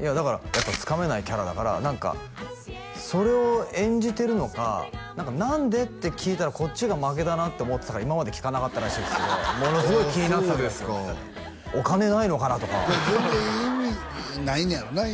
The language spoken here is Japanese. いやだからやっぱつかめないキャラだから何かそれを演じてるのか何か「何で？」って聞いたらこっちが負けだなと思ってたから今まで聞かなかったらしいですがものすごい気になってたみたいお金ないのかなとか全然意味ないねやろな